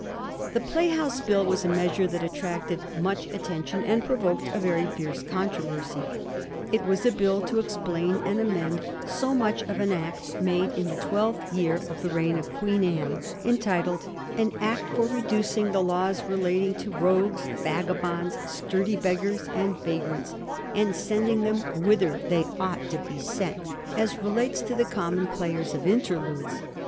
The Playhouse Bill was a measure that attracted much attention, and provoked a very fierce controversy. It was a Bill to explain and amend so much of an Act made in the twelfth year of the reign of Queen Anne, entitled '* An Act for reducing the laws relating to rogues, vaga bonds, sturdy beggars, and vagrants, and sending them whither they ought to be sent," as relates to the common players of interludes.